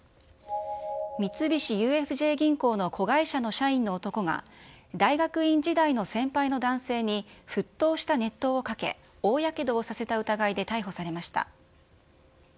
三菱ＵＦＪ銀行の子会社の社員の男が、大学院時代の先輩の男性に、沸騰した熱湯をかけ、大やけどをさせた疑いで逮捕されました。